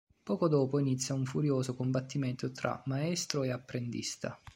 Poco dopo inizia un furioso combattimento tra maestro e apprendista.